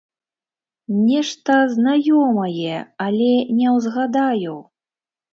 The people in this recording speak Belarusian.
Нешта знаёмае, але не ўзгадаю!